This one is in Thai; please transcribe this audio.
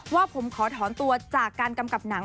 ว่าผมขอถอนตัวจากการกำกับหนัง